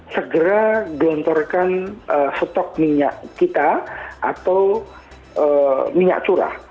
segera gelontorkan stok minyak kita atau minyak curah